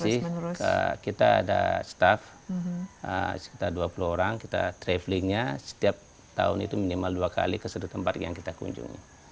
masih kita ada staff sekitar dua puluh orang kita travelingnya setiap tahun itu minimal dua kali ke satu tempat yang kita kunjungi